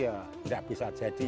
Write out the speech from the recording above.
maka untuk mencegah kemarin